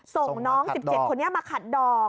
ส่งน้อง๑๗คนนี้มาขัดดอก